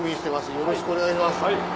よろしくお願いします。